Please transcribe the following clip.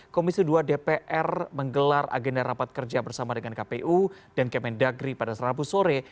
komisi dua dpr menggelar agenda rapat kerja bersama dengan kpu dan kemendagri pada serabu sore